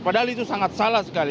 padahal itu sangat salah sekali